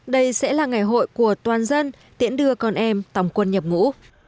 đây sẽ là ngày hội của toàn dân tiễn đưa con em tòng quân nhập ngũ